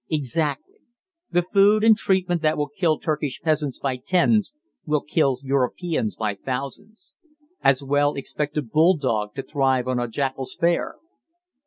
Exactly! The food and treatment that will kill Turkish peasants by tens will kill Europeans by thousands. As well expect a bulldog to thrive on a jackal's fare.